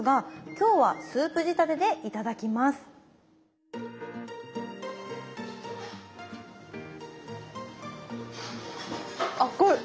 今日はスープ仕立てで頂きます熱い！